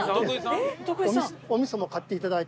お味噌も買っていただいて。